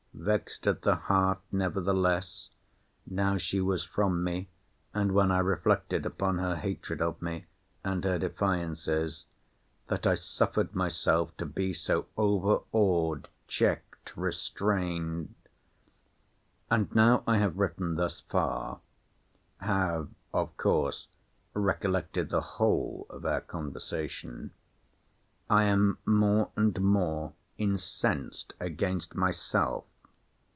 Vexed at the heart, nevertheless, (now she was from me, and when I reflected upon her hatred of me, and her defiances,) that I suffered myself to be so overawed, checked, restrained—— And now I have written thus far, (have of course recollected the whole of our conversation,) I am more and more incensed against myself.